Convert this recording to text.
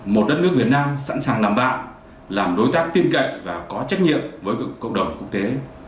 một đất nước việt nam sẵn sàng làm bạn làm đối tác tin cậy và có trách nhiệm với cộng đồng quốc tế